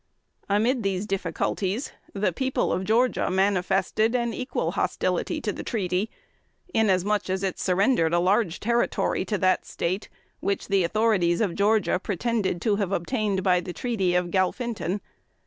Amid these difficulties, the people of Georgia manifested an equal hostility to the treaty, inasmuch as it surrendered a large territory to that State, which the authorities of Georgia pretended to have obtained by the treaty of Galphinton.